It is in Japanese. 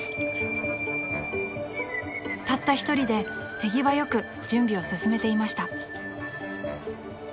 ［たった一人で手際よく準備を進めていました］